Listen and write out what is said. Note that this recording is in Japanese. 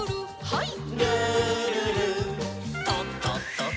はい。